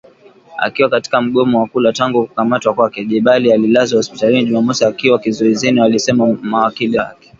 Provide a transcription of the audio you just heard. Akiwa katika mgomo wa kula tangu kukamatwa kwake Jebali alilazwa hospitali Jumamosi akiwa kizuizini walisema mawakili wake